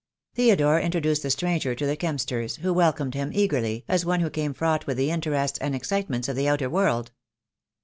Theodore introduced the stranger to the Kempsters, who welcomed him eagerly, as one who came fraught with the interests and excitements of the outer world.